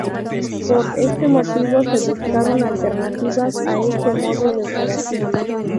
Por este motivo se buscaron alternativas a este modo de operación.